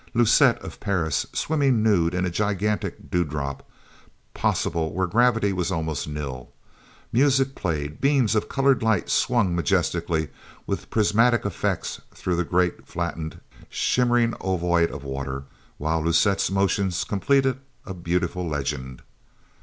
Lucette of Paris swimming nude in a gigantic dewdrop possible where gravity was almost nil. Music played. Beams of colored light swung majestically, with prismatic effects through the great, flattened, shimmering ovoid of water, while Lucette's motions completed a beautiful legend...